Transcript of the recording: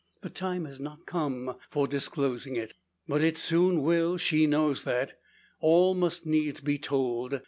The time has not come for disclosing it. But it soon will she knows that. All must needs be told.